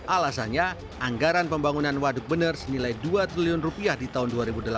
alasannya anggaran pembangunan waduk bener senilai dua triliun rupiah di tahun dua ribu delapan belas